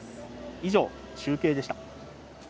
以上、中継でした。